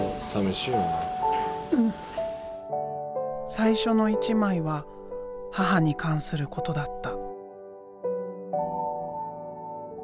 最初の一枚は母に関することだった。